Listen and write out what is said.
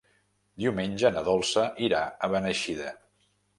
Diumenge na Dolça irà a Beneixida.